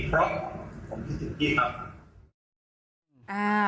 เพราะผมคิดถึงพี่ครับ